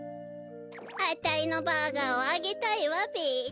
あたいのバーガーをあげたいわべ。